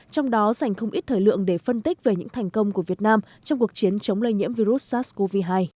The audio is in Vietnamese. trong đó dành không ít thời lượng để phân tích về những thành công của việt nam trong cuộc chiến chống lây nhiễm virus sars cov hai